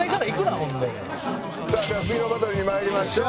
さあでは次のバトルにまいりましょう。